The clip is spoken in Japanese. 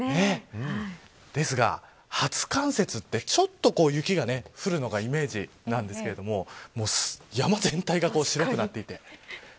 ですが、初冠雪ってちょっと雪が降るイメージなんですけどもう山全体が白くなっていて。